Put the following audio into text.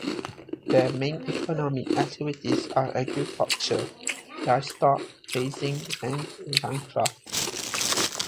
Their main economic activities are agriculture, livestock-raising and handcrafts.